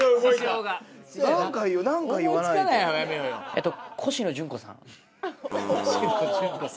えっと。